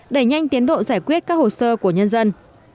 đẩy nhanh tiến độ giải quyết các hồ sơ của nhân dân